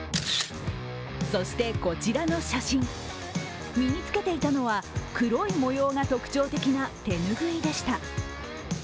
そしてこちらの写真身に着けていたのは黒い模様が特徴的な手拭いでした。